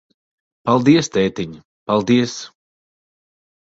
Paldies, tētiņ, paldies.